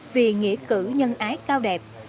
vì nghĩa cử nhân ái cao đẹp